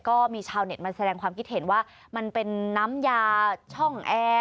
ก็มีชาวเน็ตมาแสดงความคิดเห็นว่ามันเป็นน้ำยาช่องแอร์